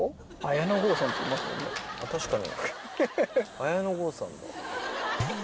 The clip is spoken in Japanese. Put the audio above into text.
確かに。